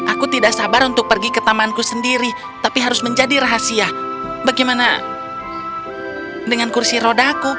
aku tidak sabar untuk pergi ke tamanku sendiri tapi harus menjadi rahasia bagaimana dengan kursi rodaku